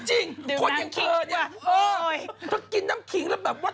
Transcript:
จริงคนอย่างเจอถ้ากินน้ำขิงแล้วแบบว่า